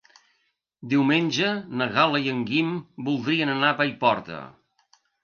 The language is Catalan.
Diumenge na Gal·la i en Guim voldrien anar a Paiporta.